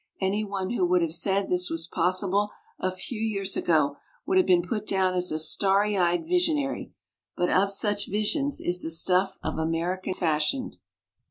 Anyone who would have said this was possible a few years ago would have been put down as a starry eyed visionary. But of such visions is the stuff of America fashioned.